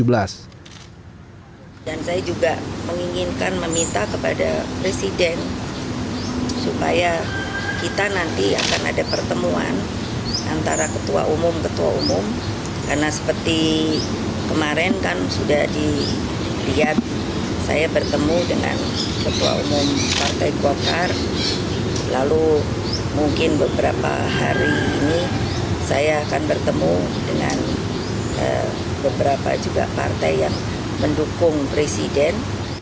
lalu mungkin beberapa hari ini saya akan bertemu dengan beberapa juga partai yang mendukung presiden